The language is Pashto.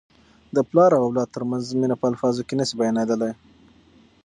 د پلار او اولاد ترمنځ مینه په الفاظو کي نه سي بیانیدلی.